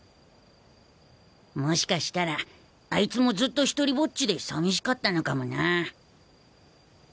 もしかしたらあいつもずっと独りぼっちでさみしかったのかもな。